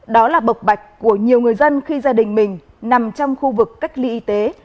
độc bạch của nhiều người dân khi gia đình mình nằm trong khu vực cách ly y tế